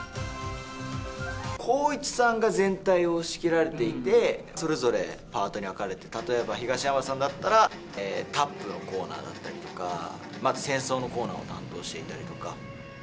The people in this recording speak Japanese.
光一さんが全体を仕切られていて、それぞれパートに分かれて、例えば東山さんだったら、タップのコーナーだったりとか、また戦争のコーナーを担当していたりとか。